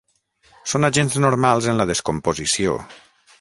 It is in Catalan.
Són agents normals en la descomposició.